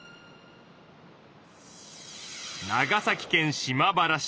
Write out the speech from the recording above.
長崎県島原市。